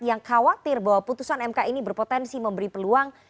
yang khawatir bahwa putusan mk ini berpotensi memberi peluang